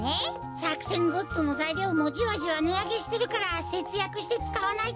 さくせんグッズのざいりょうもじわじわねあげしてるからせつやくしてつかわないとってか。